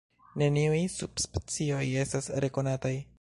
Neniuj subspecioj estas rekonataj.